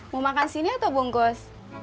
mau makan sini atau bungkus